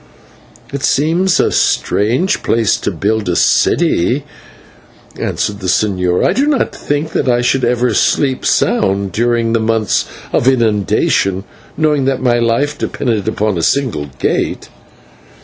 "It seems a strange place to build a city," answered the señor. "I do not think that I should ever sleep sound during the months of inundation, knowing that my life depended upon a single gate."